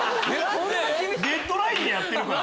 デッドラインでやってるから。